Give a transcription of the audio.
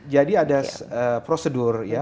jadi ada prosedur ya